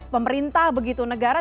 pemerintah begitu negara